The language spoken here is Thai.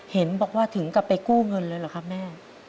เห็นบอกว่าถึงกลับไปกู้เงินเลยเหรอครับแม่